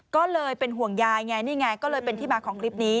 ก็เลยเป็นห่วงยายไงนี่ไงก็เลยเป็นที่มาของคลิปนี้